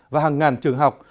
và hàng ngàn trường học